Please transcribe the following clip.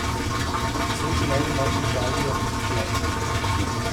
So schnell machen Gallier nicht schlapp.